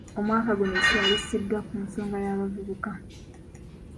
Omwaka guno essira lissiddwa ku nsonga y’abavubuka.